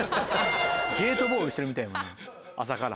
ゲートボールしてるみたいやもんな朝から。